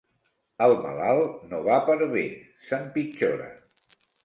El malalt no va per bé, s'empitjora.